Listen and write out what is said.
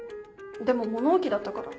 でも物置だったから。